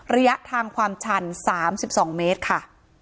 ระยะทางความชัน๓๒เมตรค่ะ